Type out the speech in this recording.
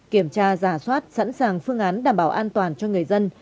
kiểm tra giả soát sẵn sàng phương án đảm bảo an toàn cho người dân